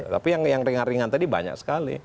tapi yang ringan ringan tadi banyak sekali